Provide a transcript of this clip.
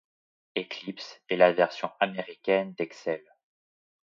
Eclipse est la version américaine d'Excel.